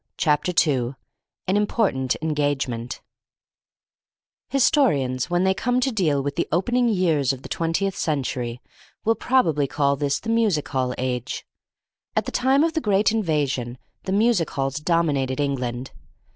Chapter 2 AN IMPORTANT ENGAGEMENT Historians, when they come to deal with the opening years of the twentieth century, will probably call this the Music Hall Age. At the time of the great invasion the music halls dominated England.